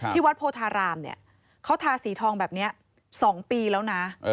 ที่วัดโพธารามเนี่ยเขาทาสีทองแบบนี้๒ปีแล้วนะ